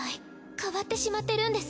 変わってしまってるんです。